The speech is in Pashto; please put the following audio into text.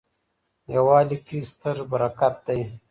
یووالي کي ستر برکت دی.